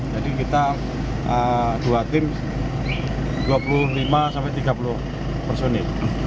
jadi kita dua tim dua puluh lima sampai tiga puluh personik